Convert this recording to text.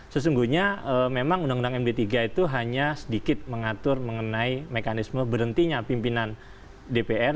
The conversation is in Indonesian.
sesungguhnya memang undang undang md tiga itu hanya sedikit mengatur mengenai mekanisme berhentinya pimpinan dpr